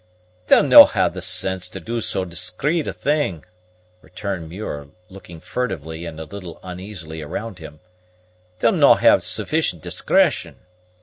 "They'll no' have the sense to do so discreet a thing," returned Muir, looking furtively and a little uneasily around him; "they'll no' have sufficient discretion.